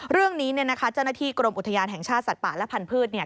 เรื่องนี้เจ้าหน้าที่กรมอุทยานแห่งชาติสัตว์ป่าและพันธุ์